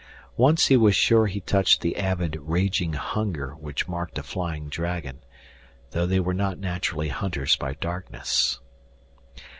Once he was sure he touched the avid, raging hunger which marked a flying dragon, though they were not naturally hunters by darkness.